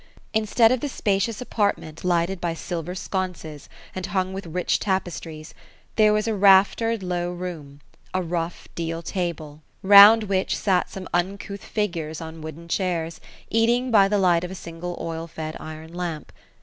Instead of the spacious apartment, lighted by silver sconces, and hung with rich tapes tries ; there was a raftered low room, a rough deal table, round which THE ROSC OF ELSINORE. 195 sat some uncouth figures on wooden chairs, eating bj the light of a single oil fed iron lamp.